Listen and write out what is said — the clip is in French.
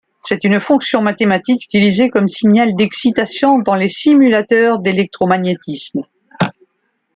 C'est une fonction mathématique utilisée comme signal d'excitation dans les simulateurs d'électromagnétisme.